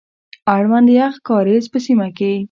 اړوند د يخ کاريز په سيمه کي،